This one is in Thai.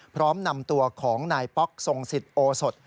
พร้อมนำตัวของนายป๊อกทรงสิทธิโอสด